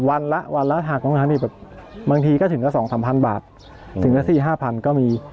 วันละวันละถ้าต้องทำให้แบบบางทีก็ถึงก็สองสามพันบาทถึงก็สี่ห้าพันก็มี